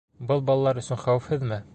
Был балалар өсөн хәүефһеҙме?